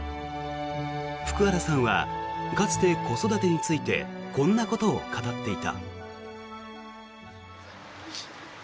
福原さんはかつて、子育てについてこんなことを語っていた。